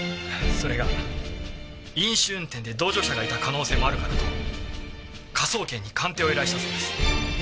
それが飲酒運転で同乗者がいた可能性もあるからと科捜研に鑑定を依頼したそうです。